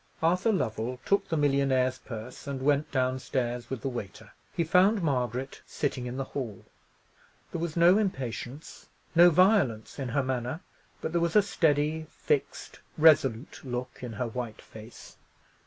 Arthur Lovell took the millionaire's purse and went down stairs with the waiter. He found Margaret sitting in the hall. There was no impatience, no violence in her manner: but there was a steady, fixed, resolute look in her white face.